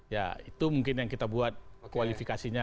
ya itu mungkin yang kita buat kualifikasinya